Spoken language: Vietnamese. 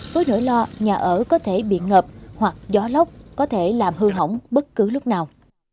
với nỗi lo nhà ở có thể bị ngập hoặc gió lốc có thể làm hư hỏng bất cứ lúc nào